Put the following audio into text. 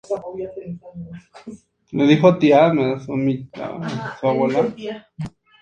Fue reemplazada por la Honda Pilot desarrollada por Honda.